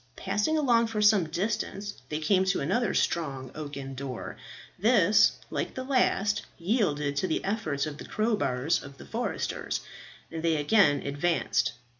Passing along for some distance they came to another strong oaken door. This, like the last, yielded to the efforts of the crowbars of the foresters, and they again advanced.